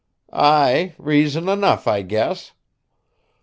"Ay, reason enough, I guess.